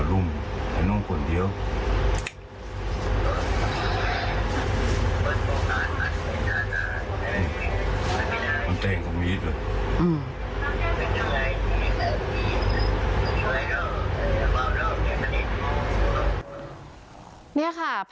ลุ่มไอ้ไอ้